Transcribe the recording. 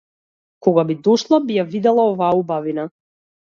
Кога би дошла би ја видела оваа убавина.